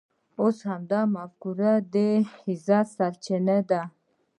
اوس همدا مفکوره د عزت سرچینه ده.